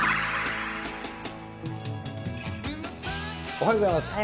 おはようございます。